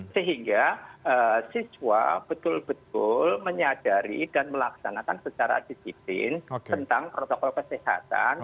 sehingga siswa betul betul menyadari dan melaksanakan secara disiplin tentang protokol kesehatan